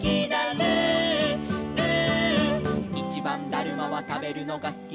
「ルールー」「いちばんだるまはたべるのがすき」